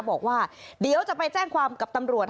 บอกว่าเดี๋ยวจะไปแจ้งความกับตำรวจ